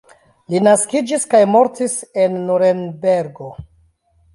Li naskiĝis kaj mortis en Nurenbergo.